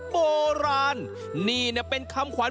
โปรดติดตามตอนต่อไป